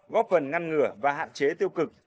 góp phần ngăn ngừa và hạn chế tiêu cực